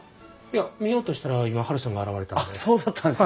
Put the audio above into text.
いや見ようとしたら今ハルさんが現れたんで。